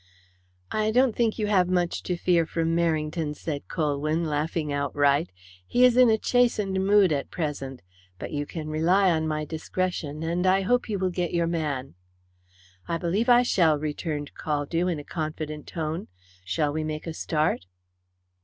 "I don't think you have much to fear from Merrington," said Colwyn, laughing outright. "He is in a chastened mood at present. But you can rely on my discretion, and I hope you will get your man." "I believe I shall," returned Caldew in a confident tone. "Shall we make a start?"